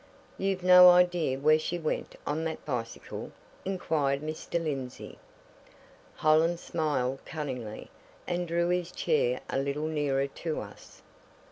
"You've no idea where she went on that bicycle?" inquired Mr. Lindsey. Hollins smiled cunningly, and drew his chair a little nearer to us.